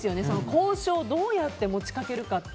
交渉をどうやって持ちかけるか。